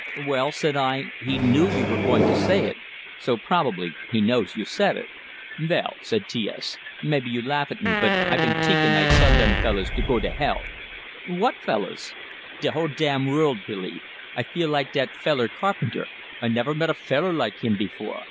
"Well," said I, "he knew you were going to say it, so probably he knows you said it." "Vell," said T S, "maybe you laugh at me, but I been tinkin' I tell dem fellows to go to hell." "What fellows?" "De whole damn vorld! Billy, I like dat feller Carpenter! I never met a feller like him before.